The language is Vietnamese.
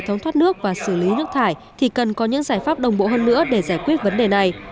hệ thống thoát nước và xử lý nước thải thì cần có những giải pháp đồng bộ hơn nữa để giải quyết vấn đề này